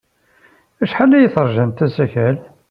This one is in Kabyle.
Acḥal ay teṛjamt asakal?